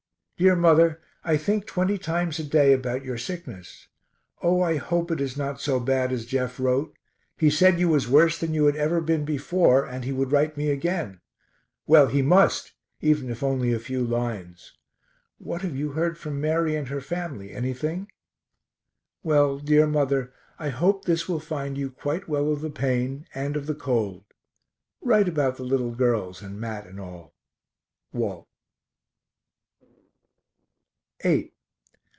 Dear mother, I think twenty times a day about your sickness. O, I hope it is not so bad as Jeff wrote. He said you was worse than you had ever been before, and he would write me again. Well, he must, even if only a few lines. What have you heard from Mary and her family, anything? Well, dear mother, I hope this will find you quite well of the pain, and of the cold write about the little girls and Mat and all. WALT.